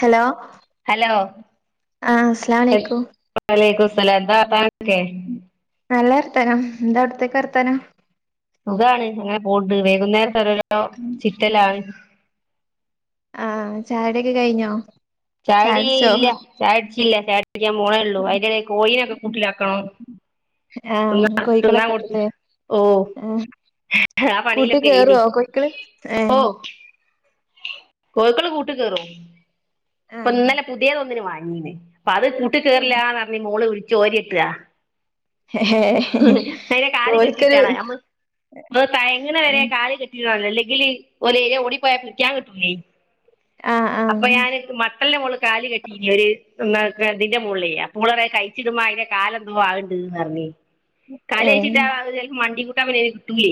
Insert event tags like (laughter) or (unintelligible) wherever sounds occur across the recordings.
Hello hello ആ അസ്സലാ മലൈകും. വലൈക്കും സ്സലാം എന്താ (unintelligible) ക്കെ നല്ല വർത്താനം. എന്താ അവിടെത്തക്കെ? സുഖാണ്. അങ്ങനെ പോവ്ണ്ട്. വൈകുന്നേരം (unintelligible) രോ ചിത്തലാണ്. ആ ചായുടിയൊക്കെ കഴിഞ്ഞോ? ചായുടി ചായുടിച്ചോ ഇല്ല. ചായുട് റ്റില്ല. ചായുട് ക്കാൻ പോണേള്ളൂ. അയിന്റെടേല് കോഴിനൊക്കെ കൂട്ടിലാക്കണം. തിന്ന ആഹ് തിന്നാൻ കോഴിക്കളൊക്കെ കൊടുത്ത്. ഉണ്ടല്ലേ ഓഹ് ആഹ് ആ കൂട്ട് പണിയിലൊക്കെ ഏനി. കേറുവോ കോഴിക്കള് ഏഹ് ഓഹ് കോഴിക്കള് കൂട്ട് കേറും. ഇപ്പൊ ആഹ് ന്നലെ പുതിതേതൊന്നിനെ വാ ങ്ങീന്. പ്പഅത് കൂട്ട് കേറ്ലാന്ന് പറഞ്ഞ് മോള് വിൾ ചോരിയട്ട അയ്നെ കാല് ഓൽക്കൊരു കെട്ടിട്ടാണ് നമ്മള് നമ്മള് തേങ്ങനെ വരെ കാലി കെട്ടി അല്ലെങ്കില് ഓൽ എയ്ലെൽ ഓടി പോയാ പിടിക്കാൻ കിട്ടൂലെനി ആ ആഹ് മട്ടന്റെ മോള് കാല് കെട്ടീനി ഒരു (unintelligible) ഇതിന്റെ മോളിലേയ് അപ്പോള് പറയാ കഴിച്ചിടുമ്മഅതിന്റെ കാല് എന്തോ ആക്ണ്ട്ന്ന് പറഞ്ഞി കാല് ഏഹ് കഴിച്ചിട്ട അത് മണ്ടി (unintelligible)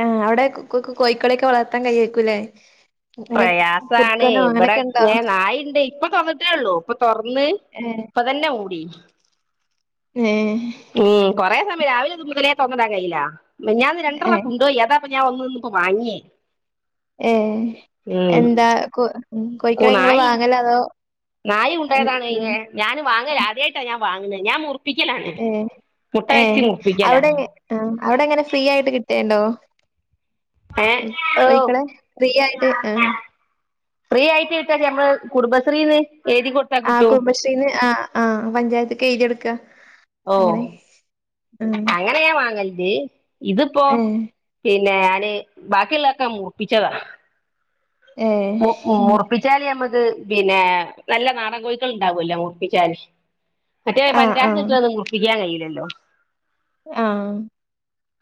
ആ അവിടെ കോ കോ കോയിക്കളക്കെ വളർത്താൻ കയിയെക്കൂല്ലേ പ്രയാസാണ് ഇബടെ ഇങ്ങനെ നായിണ്ട് ഇപ്പൊ തുറന്നിട്ടേള്ളു ഇപ്പൊ തുറന്ന് ഇപ്പൊ തന്നെ ഓടി ഉം ഉം കൊറേ സമയം (unintelligible) തുറന്നിടാൻ കഴയില്ല മിഞ്ഞാന് രണ്ട്രണം ഏഹ് കൊണ്ടോയി അതാ ഇപ്പൊ ഞാൻ ഒന്ന നിന്ന ഇപ്പോ വാങ്ങിഎയ് ഉം എന്താ കൊ ഉം കു കോഴിക്കളെ ഇങ്ങൾ നായി വാങ്ങലാ അതോ നായി ഉണ്ടോയതാണ് ഉം അയിനെ ഞാൻ വാങ്ങലാദ്യയിട്ടാ ഞാൻവാങ്ങു ഞാൻമുർ ഏ ഏ മുറിപ്പിക്കലാ അവിടെ അവിടെ എങ്ങനെ ഫ്രീ ആയിട്ട് കി എന്തോ ഏ ഓ കൊയ്ക്കളെ ഫ്രീ ആയി ഏ ആഹ ഫ്രീ ആയിട്ട് കിട്ടാച്ച നമ്മള് കുടുംബശ്രീന്ന് എഴുതി കൊടുത്താ ആ കിട്ടും കുംബശ്രീന്ന് ആ ആ പഞ്ചായത്ത് എയ്തികൊടുക്ക ഓ അങ്ങനെ ഞാൻ വാങ്ങലണ്ട് ഇതിപ്പോ ഏ പിന്നെ ഞാന് ബാക്കിയുള്ളതക്കെ മുർപ്പിച്ചതാ ഏ മു ഉം. മുറപ്പിച്ചാലമ്മക്ക് പിന്നെ നല്ല നാടൻ കോഴക്കൾ ഉണ്ടാാവൂല്ലോ മുർപ്പിച്ചാല് മറ്റേ ആ ആ പഞ്ചായത്ത്ന്ന് കിട്ടന്നത് മുർപ്പിക്കാൻ കഴിയല്ല ലല്ലോ ആഹ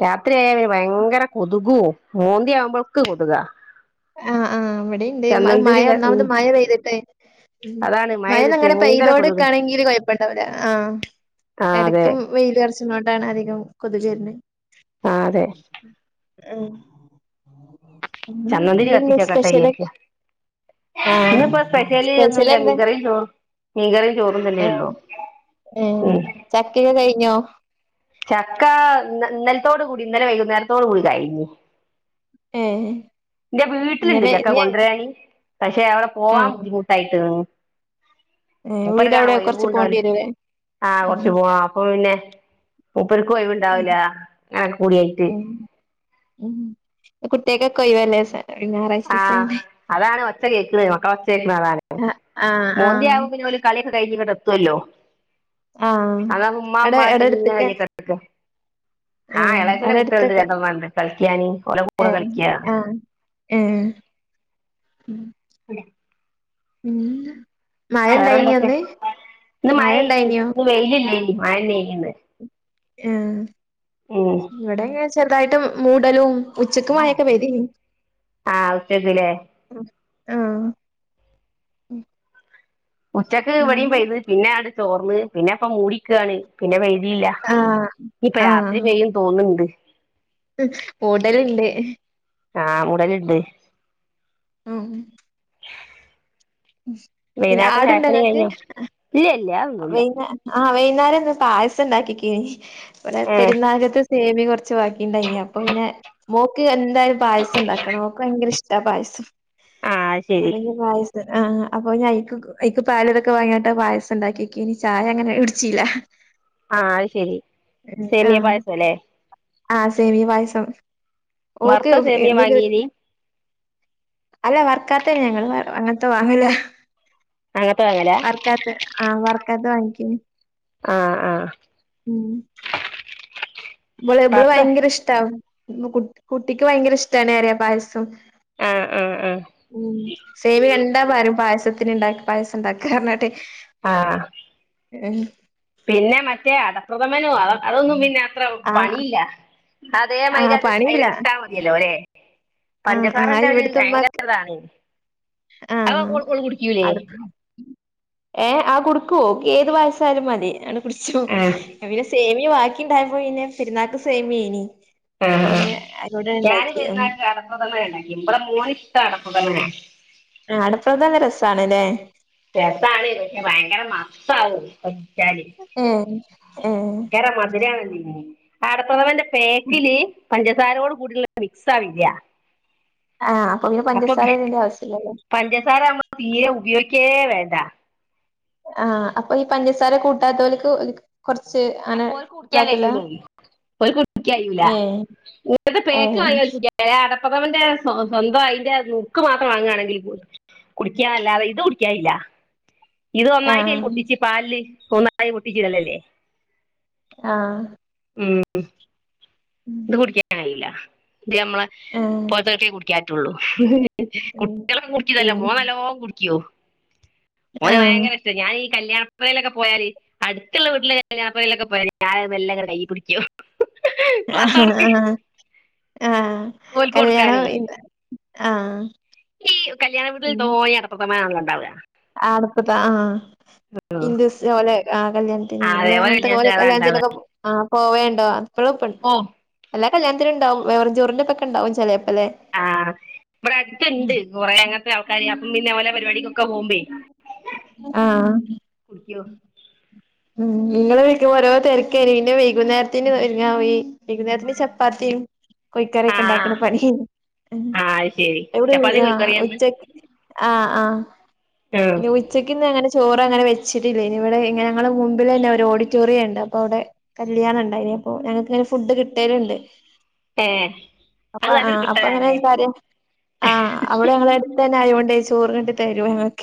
രാത്രി ആയാപിന്നെ ഭയങ്കര കൊതുകും മൂന്തിയാവുമ്പൾക്ക് കൊതുക ആഹ് ആഹ് ഇവിടേംണ്ട് അത് മഴ ഒന്നാമത് ഉം മഴ പെയ്തിട്ടെ ഉ അതാണ് മഴ പെയ്തിട്ട് മഴന്നങ്ങനെ ഭയങ്കര കൊതുക് പെയ്തോണ്ട്ക്കാണെങ്കിൽ കുഴപ്പണ്ടാവില്ല ആ ആ അതെ ഇടക്കും വെയില് എറച്ചങാണ്ടാണ് അധികം കൊതുക് വരുന് (unintelligible) ആ അതെ ഓ (unintelligible) ഉ ചന്ദനതിരി (unintelligible) ഇല്ല കത്തിച്ചേക്കട്ടെ വിചാരിക്ക സ്പെഷ്യലൊക്കെ ആ ഇന്നിപ്പോ സ്പെഷ്യാലി ഒന്നുംല്ല സ്പെഷ്യലെന്താ മീഗറും ചോറ് മീഗറും ചോറന്ന ഏ തല്ലേള്ളൂ ഏഹ് ഉ ചക്കയൊക്കെ കഴിഞ്ഞോ ചക്ക ഇന്ന് ഇന്നലത്തോട കൂടി ഇന്നലെ വൈകുന്നേരത്തോട കൂടി കഴിഞ്ഞി ഏഹ് ന്റെ വീട്ടിലിണ്ട് ഇന്നലെ ചക്ക ഇന്ന് ഞ കൊണ്ടരാൻ പക്ഷെ അവടെ പോവാൻ ആഹ് ബുദ്ധിമുട്ടായിട്ട് ഏഹ് മൂപ്പര് വീട് കാണേൽ അവിടെ കൊറച്ച് വൈബും പോണ്ടി ണ്ടാവൂല വരൂല്ലേ ആഹ് ഉം കൊറച്ച് പോവാ അപ്പൊ പിന്നെ ഉം മുപ്പർക്ക് ഒഴിവുണ്ടാവുല ഞാ കൂടി യായിട്ട് ഉം കൊഴിവ് ല്ലേസ ആഹ് അതാണ് ഒച്ച കേക്ക്ണ മക്കള ഒച്ച കേക്ക്ണ അതാണ് പ്പം ആഹ് ആഹ് ആഹ് മോന്തിയാകുമ്പ പിന്നെ ഓല് കളിയൊക്കെ കഴിഞ്ഞി തോല്ലോ ആഹ് അത ഉമ്മാ അവിടെ ഉമ്മാ ചി എടെ അടുത്തൊക്കെ ങ്ങനെ ആഹ് എളച്ചന്നെ അവിടെ കുട്ടിളണ്ട് അടുത്തൊക്കെ രണ്ടെണ്ണം കളിക്കാൻ ഓലെ കൂടെ ഏഹ് കളിക്ക ആഹ് ഏഹ് ഇല്ല വറെന്തൊക്കെ ഇന്ന് മഴ എനി ഇന്ന് വെയിലല്ല നി മഴന്നെ എഴന്ന് ഏഹ് ഇവിടെങ്ങെനെ ചെറുതായിട്ടും മൂടലും ഉച്ചക്കുമഴയൊക്കെ പെയ്തിനി ആഹ് ഉച്ചക്ക് ലെ ആഹ് ഉം ഉച്ചക്ക് ഇവടിയും പെയ്ത് പിന്നെ ആണ്ട് ചോർന്ന് പിന്നെ ഒക്കെ മൂടിക്കാണ് പിന്നെ പെയ് തില്ല ആഹ് ഇനിയിപ്പ രാത്രി പെയ്യും ന്ന് തോന്നുണ് ണ്ട് മൂടലുണ്ട് ആഹ് മൂടലുണ്ട് ഓഹ് (unintelligible) വൈന്നാരത്തെ ചായപ്പണി കഴിഞ്ഞൊ ഇല്ല ഇല്ല അതൊന്നുല്ല വൈന്നാരാ ആഹ് വൈകുന്നേരംന്ന് പായസം ഉണ്ടാക്കിക്കെനി ഇടെ ഏഹ് പെരുന്നാക്കത്തെ സേമി കുറച്ച് ബാക്കിണ്ടായിനി അപ്പൊ പിന്നെ മോൾക്ക് എ ന്തായാലും പായസംണ്ടാക്കണം ഓൾക്ക് ഭയങ്കരഷ്ട ട്ടാ പായസം ആഹ് അത് അപ്പൊ ശരി ഇഞ്ഞ് പായസ് ആഹ് അപ്പൊ ഇഞയ്ക്ക് ക്ക് അയ്ക്ക് പാലടക്കെ വാങ്ങിയാട്ട് അത് പായസ് ഉണ്ടാക്കിക്കിനി ചായ അങ്ങനെ ഇട്ച്ചില. ആ അത് ശെരി ആ സേമിയ പായസം അല്ലേ ആ സേമിയ പായസം ഓക്കെ വറുത്ത ഓക്കേ (unintelligible) സേമിയ വാങ്ങീനി അല്ല വർക്കാത്തന്ന ഞങ്ങള് അങ്ങനത്തെ വാങ്ങില അങ്ങനത്തെ വാങ്ങലാ വർക്കാത്ത് ആ വർ ത്ത വാങ്ങേക്കേനി ആ ആ ഉം ഇവള എബള വറുത്ത ഭയങ്കര ഇഷ്ടാവ് കുട്ട് കുട്ടിക്ക് ഭയങ്കര ഇഷ്ട്ടാണ് എരേ പായസം ആ ആ ആ ഉം സേമി കണ്ടാ പരും പായസത്തി ത്തിലിണ്ടക്ക് പായസ എണ്ടാക്ക് എർനട്ട് ആഹ് ഏ പിന്നെ മറ്റേ അടപ്രഥമനോ അത അതൊന്നും പിന്ന അത്ര ആഹ് പണിയില്ല അതേ മാതിരി ആഹ് അത് അതി പണിയില്ല കിട്ടാ മതിയല്ലോ അല്ലെ ആഹ് പഞ്ചസാരക്കെ അയിൽ ഭയങ്കരിതാണ് ആ അടുത് ഏ ആ കൊടുക്കൊ ആ ഏത് പായസാലും മതി ടിച്ചും ആ ഞാ പിന്ന സെമിയ ബാക്കിണ്ടായപ്പോ പിന്നെ പെരുന്നാക്ക് സേമിയേനി ആ ആ പിന്നെ അതോടെ ഞാന് ഇണ്ടാക്കി ഉം പെരുന്നാൾക്ക് അടപ്രഥമനാ ഇണ്ടാക്കി ഇവടെ മോൻ ഇഷ്ടം അടപ്ര (unintelligible) ആ അടപ്രധാന രസ് സാണ് ല്ലേ രസാണ് പക്ഷെ ഭയങ്കര മസ്‌താവു ചാല് ഏഹ് ഏഹ് ങ്കര മധുരാണല്ലി ഉം അടപ്രഥമന്റെ പേക്കില് പഞ്ചസാരോട് കൂടിള്ള മിക്സ് ആവില്ല്യ ആഹ് അപ്പൊ പിന്നെ പഞ്ചസാര ഇടേണ്ട ആവശ്യല്ലല്ലോ തീര ഉപയോഗിക്കേ വേണ്ട ആഹ് ആ അപ്പൊ ഈ പഞ്ചസാര കൂട്ടാത്ത ഓല്ക്ക് (unintelligible) കൊറ അപ്പൊ ഓല്ക്ക് കുടിക്കാൻ കഴിയൂല്ലേ ഏഹ് ഏഹ് (unintelligible) പ്രഥമന്റെ സ്വ സ്വന്തം അതിന്റെ നുക്ക് മാത്രം വാങ്ങുകാണെങ്കിൽ കുടിക്ക്യ അല്ലാതെ ഇത് കുടിക്കയില്ല ഇത് ഒന്നായിട്ട് ആഹ് പൊട്ടിച്ചു പാലില് ഒന്നായി പൊട്ടിച്ചിതല്ലല്ലേ ആ ഉം ഇത് കുടിക്കാനായില്ല ഇത് നമ്മള (unintelligible) ആഹ് (unintelligible) കുട്ടികളോക്ക ഉം കുടിച്ചിതല്ല പിന്നെ മോൻ നല്ലോം കുടിക്കിയോ ഓന് ആഹ് ഭയങ്കരഷ്ട ഞാൻ ഈ കല്യാണപ്പുര യിലൊക്കെ പോയാല് അടുത്തുള്ള വീട്ടില് കല്യാണപ്പുരയിലൊക്കെ പോയാല് ഞാൻ മെല്ലെ ഇങ്ങനെ കൈ പടിക്കും ആ ആ ആ ഓൽക്ക് കല്യാണം കൊടുക്കാനേ ആ ഉം ണ്ടാവാ അടുത്തതാ ആ (unintelligible) പോലെ ആ ആ, കല്യാണത്തിന് അതേപോലെ കല്യാണത്തിന് അതാ ഉണ്ടാവുക (unintelligible) (unintelligible) ആ പോവേണ്ടോ ആ (unintelligible) ഓ അല്ലേ കല്യാണത്തിനും ഇണ്ടാവും വെറും ചോറിന്റെ ഒക്കെ ഉണ്ടാവും ചെലേ ആ ഇവിടട്ത്ത്ണ്ട് കുറേ അങ്ങനത്തെ ആൾക്കാര് അപ്പം പിന്നെ ഓലെ പരിപാടിക്കൊക്ക പോകുമ്പേ ആ കുടിക്കും ഉം നിങ്ങള് വെക്കുമ്പോ ഓരോ തിരകെനി പിന്ന വൈകുന്നേരത്തിന് ഒരുങ്ങാ പോയി വൈകുന്നേരത്തിന് ചപ്പാത്തിയും ആ കൊയിക്കറിക്ക ഉണ്ടാക്കണ പണി ആ അത് ശരി എവിടെ ചപ്പാത്തി ആ കോഴിക്കറിയാന്ന് ഉച്ചക്ക് ആ ആ ആ പിന്നെ ഉച്ചക്ക്ന്ന്ങ്ങനെ ചോറ്ങ്ങനെ വെച്ചിട്ടില്ല ഇനി ഇവിടെ ഇങ്ങനെ ഞങ്ങളുടെ മുമ്പിൽ ന്നെ ഒരു ഓഡിറ്റോറിയം ഉണ്ട് അപ്പൊ അവിടെ കല്യാണം ഇണ്ടായിനി അപ്പോ ഞങ്ങക്ക് ഫുഡ് കിട്ടേലുണ്ട് ഏ അപ്പ അത് ആ നല്ലൊരു അപ്പൊങ്ങനെ കിട്ടലാണേ (unintelligible) ആ അവിടെ ഞങ്ങള് അടുത്ത് തന്നെ ആയോ (unintelligible)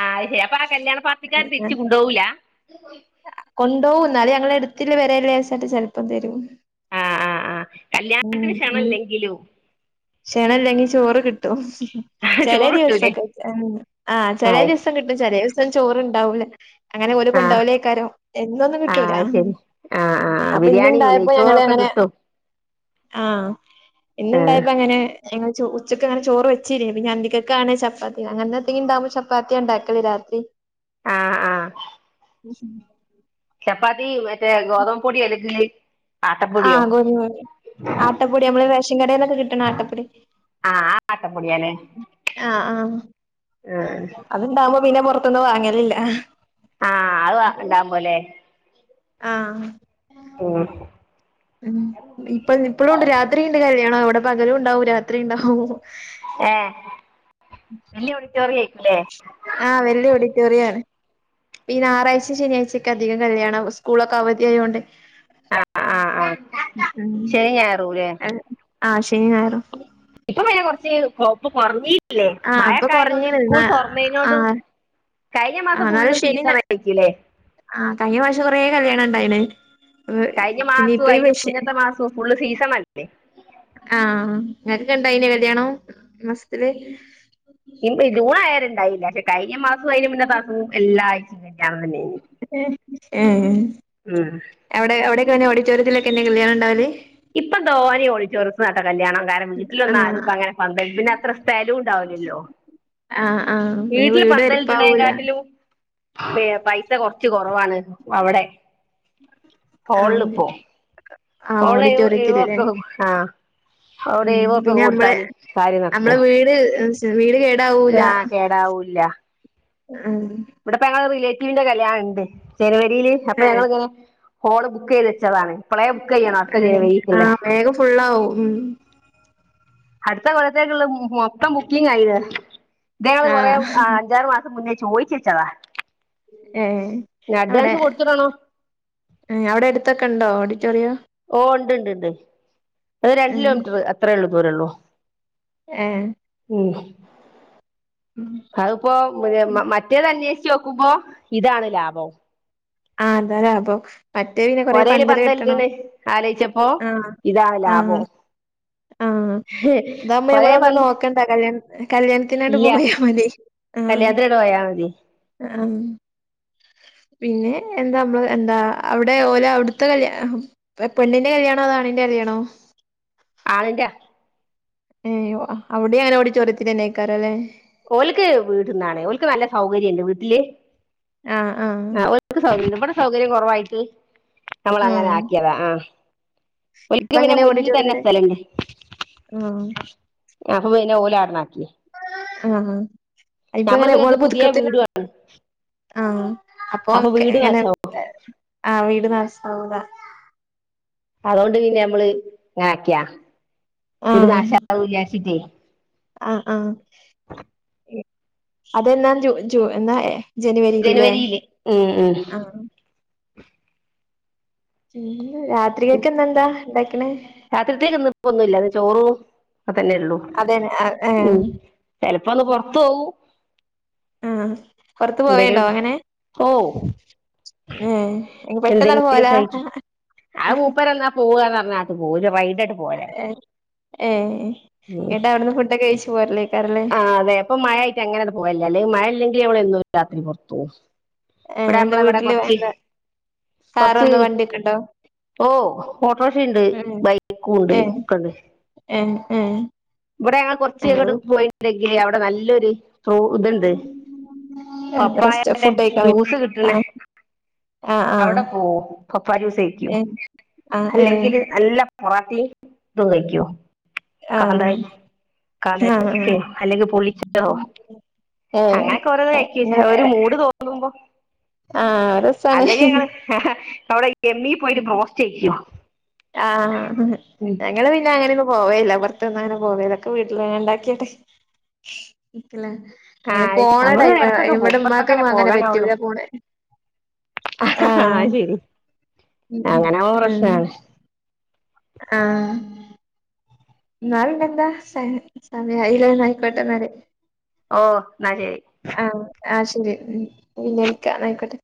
ആ ശരി അപ്പൊ ആ കല്യാണ പാർട്ടിക്കാാര് തിരിച്ചു കൊണ്ടുപോവൂല കൊണ്ടോ പോവും എടുത്തില്ല പേരെ ച്ചാൽ ചെലപ്പ തരും ആ ആ ആ കല്യാണത്തിന് ക്ഷണം ല്ലെങ്കിലും ക്ഷണല്ലെങ്കിൽ ചോറ് കിട്ട് ട്ടും ചേലെ ചോറ് കിട്ടൂലേ ദിവസൊക്കെ ആ ചെല ദിവസം കിട്ടും ചെല ദിവസം ചോറണ്ടാവൂല ആ കൊണ്ടാവലക്കാരോ എന്നൊന്നും ആ കിട്ടൂല അത് ശരി ആ ആ അപ്പൊ ഇന്ന് ബിരിയാണിയോ ണ്ടായപ്പോ ഞങ്ങ നെയ്ച്ചോറും ഒക്കെ അങ്ങനെ കിട്ടും ആഹ ഇന്നുണ്ടായപ്പോ അങ്ങനെ ഞങ്ങള് ഉച്ചക്കെങ്ങനെ ചോറ് വെച്ചിനി പിന്നെ അന്തിക്കേക്കാണ് ചപ്പാത്തി അങ്ങനെന്തെങ്കി ഉണ്ടാവുമ്പോ ചപ്പാത്തിയ ണ്ടാക്കലേ രാത്രി ആഹ ആഹ (inaudible) ഗോതം പൊടിയ (inaudible) ആ ഗോധമ ആട്ടപ്പൊടി മ്മള് റേഷൻ കടേന്നൊക്കെ കിട്ടണ ആട്ടപ്പൊടി ആ ആട്ടപ്പൊടിയാ അല്ലേ ആ ആഅത്ണ്ടാവമ്പോ പൊറത്തുന്നു വാങ്ങലില്ല ആഹ് അത് ഉണ്ടാവുമ്പോലെ ആ ഇപ്പ ഇപ്പളുംണ്ട് രാത്രിണ്ട് കല്യാണം വ്ടെ പകലുണ്ടാവും രാത്രിണ്ടാവും ഏ വല്യ ഓഡിറ്റോറിയ (inaudible) ല്ലേ ആ വല്യ ഓഡിറ്റോറിയാണ്. ഈ നാറാഴ്ചയും ശനിയാഴ്ചയക്കെ അധികം കല്യാണം സ്കൂളൊക്കെ അവധിയ ആയൊണ്ടെ ആ ആ ആ ഉം ശനിനായറൂല്ലേ ആഹ് ശനി ഞായറും ഇപ്പ പിന്നെ കൊറച്ച് അപ്പൊ പൊറഞ്ഞി ല്ലെ ആഹ് ഇപ്പൊ മഴക്കായതുകൊണ്ട് കൊറഞ്ഞീണ് സ്കൂൾ തുറന്നേനോട് ആ ന്നാലും ശനിന ആ കയിഞ്ഞ പ്രാവിശ്യം കൊറേ കല്യാണം (unintelligible) കഴിഞ്ഞ പിന്നെ മാസവും ഇപ്പൊ ഈ അതിന്റെ വിഷ മുന്നത്തെ മാസവും ഫുള്ള് സീസണ (inaudible) ആ നല്ല ണ്ടായിന കല്യാണം ഈമാസത്തില് (unintelligible) കഴിഞ്ഞ മാസൊം അയ്ന് മുന്നത്താസൊം എല്ലാ ആഴ്ച്ച ആ ഉം എവിടെ എവിടെൊക്കെ ഓട ചറ്റോരത്തിലൊക്കെ കല്യാണം ഉണ്ടാവല് ഇപ്പൊ ധോാന ഓഡിറ്റോറിയസ് നട കല്യാണം കാരണം വീട്ടിലൊന്ന ആഹ് ആരുംക്കും അങ്ങനെ പന്ത പിന്നെ അത്ര സ്ഥലുണ്ട് ഇാവലല്ലോ ആ വീട്ടില് പന്തലിടണെകാട്ടിലും പൈസ കൊറച്ച് കൊറവാണ് അവിടെ ഹോളിൽ ആഹ് പോ ആഹ് ഹോള്ഴ ഓഡിറ്റോറിയത്തില് ല്ലേ എഴവപ്പ ആ അവിടെ ഉം എഴവപ്പക്ക പിന്നെ നമ്മളെ കൊടുത്താല് സാരി നമ്മളെ നിറക്കും വീട് വീട് ആ കേടാവും ല്ല ആ ഇവിടെപ്പ ഞങ്ങ റിലേറ്റീവിന്റെ കല്യാണ ഉണ്ട് ച അപ്പൊ ഏഹ് ഞങ്ങൾ ഇങ്ങനെ ഹോള് ബുക്ക് ചെയ്ത് വെച്ചതാണ് ഇപ്പോളെ ആഹ വേഗം ഫുള്ള ആവും ഉ അടുത്ത കൊലത്തേക്കുള്ള മൊത്തം ബുക്കിങ് ആയിത് ങ്ങള് കുറേ ആഹ് അഞ്ചാറ് മാസം മുന്നേ യച്ച (unintelligible) ചവാ ഏ അവിടെ അവിടെ അടുത്തൊക്കെ ഉണ്ടോ ഓടി റ്ററയോ ഓ ഉണ്ട്ണ്ട്ണ്ട് അത് രണ്ട് കിലോമീറ്റർ അത്രേ ഉള്ളൂ വരള്ളോ ഏ മ് അതിപ്പോ മറ്റേ തന്നെ ക്കുമ്പോ ഇതാണ് ലാഭം ആഹ അതരാ അബോ ഒരേല് പന്തല്ലണ് ആലോചിച്ചപ്പോ ആഹ് ഇതാ ആഹ് ലാഭം ആഹ് കൊറേ പന്ത് കല്യാണത്തിനായിട്ട് ഇല്ല പോയാൽ മതി ആ കല്യാണത്തിനങ്ങട് പോയാ മതി ആ പിന്നെ എന്താ നമ്മള് എന്താ അവിടെ ഓലെ അവിടുത്തെ കല് പെണ്ണിന്റെ കല്യാണോ അതാണിന്റെ കല്യാണോ ആളിന്റെ ഏയ് അവിടെ ഞാൻ ഓടിച്ചുരത്തി തന്നേക്കാറല്ലെ ഓൾക്ക് വീടന്നാണേ ഓൾക്ക് നല്ല സൗകര്യണ്ട് വീട്ടില് ആഹ് ആഹ് ആ ഒക്ക് സൗ സൗകര്യം കുറവായിട്ട് നമ്മൾ അങ്ങനെ ആഹ് ആക്കിയതാ ആഹ ഇപ്പ ഒക്ക് പിന്നെ അങ്ങനെ മുന്നിൽ തന്നെ ഓഡിറ്റോറിയത്തിന് സ്ഥലുണ്ട് ആഹ് അ പിന്നെ രണ അ ആഹ ആഹ ഇപ്പൊ എങ്ങനെ പുതുക്കത്തി വീടുവാ ആഹ അപ്പൊ വീട് എങ്ങനെ നാശാവും ആഹ് വീട് നസാവല അതൊണ്ട് പിന്നെ നമ്മള് ഇങ്ങനെക്കിയാ ഇന്ന നാശില്ലാഷിട്ട ആഹ ആ അതന്താ എന്നന്താ ജനുവരിയില് ഉം ഉ ആഹ് (unintelligible) ഉ രാത്രികൊക്കെന്നെന്താന്ത രാത്രിത്തേക്ക് നിപ്പ ഒന്നുമല്ല ചോറും അ തന്നെയള്ളൂ അതെന്നെ ഉ ആഹ് ചിലപ്പോന്ന് പറത്തു പോകൂ ആഹ എന്തെങ്കിലും ഓ ഏഹ് ഇനി പെട്ടെന്നാട് എന്തെങ്കിലും പോവലാ കഴ ആ മൂപ്പർ എന്നാ പോവന്ന് പറഞ്ഞ പൂജ വൈ ഏ ഏ എന്നട്ട് അവിടുന്ന് ഫുഡ്ക്കെ കഴിച്ച ച ആ അതെപ്പൊ മഴ ആയിട്ട് അങ്ങനത് പോലല്ല അല്ലെങ്ക മഴ അല്ലെങ്കിൽ അവള രാത്രി പുറത്തു ഏഹ് ഇവിടെ എന്താ നമ്മള ഇവിടെ വീട്ടില് കൊറച്ച് എന്താ കാറോ കൊറച്ച് എന്തോ വണ്ടിയൊക്കെ ഉണ്ടോ ഓ ഓട്ടോറിക്ഷുണ്ട് ഉം ബൈക്കും ഉണ്ട് ഒക്കണ്ട് ആ ഇവിടെ ഞങ്ങൾ കൊറച്ച പോയി അ അവിടെ നല്ലൊരു ഇതുണ്ട് റെസ്റ്റ് പപ്പായടെ ഫുഡ് കഴിക്കാൻ വരും ജ്യൂസ് കിട്ടണ ആഹ് ആഹ് അവിടെ പോ പപ്പ ജ്യൂസ് കഴക്കോ ആഹ് ഏഹ് ആഹ് ഏഹ് അല്ലെങ്കിൽ നല്ല മറാത്തി തങ്ങയ്ക്കോ ആഹ കക്കോ അല്ലെങ്കിൽ പുളിച്ചതോ ഏഹ് അങ്ങനൊക്കെ ഓരോ കഴിക്ക ഒരു മൂട് തോന്നുമ്പോ ആ രസാണ് അല്ലെങ്കിൽ ഞങ്ങള് അവിടെ ജിമ്മി പോയിട്ട് പോസ്റ്റ് ചെയ്യിക്കുവ ആ ഞങ്ങള് പിന്നെ അങ്ങനെ പോവേ ഇല്ല പുറത്തു ഒന്നും അങ്ങനെ പോവേ ഇല്ല ഇതൊക്കെ വീട്ടിൽ ഉണ്ടാക്കിട്ട് നിക്കലാ അങ്ങനെ ആഹ് പോണ നമ്മള് ടൈം ഇടക്കൊക്കെ പോകും ഇവടെ ഉമ്മാക്കും ഇപ്പൊക്കല്ലേ അങ്ങനെ പോകാനാവുള്ളൂ പറ്റൂല്ലാ പോണ ആ ആഹ് ശരി അങ്ങനെ ആവുമ്പോ ഉം പ്രശ്നാണ് ആ നാളെയിനി എന്താ സൈൻ സമയം ആയിലാന്ന് ആയിക്കോട്ടെ എന്നാൽ (inaudible) ഓ എന്നാ ശരി ആഹ് ശരി പിന്നെ വിളിക്കാം ആയിക്കോട്ടെ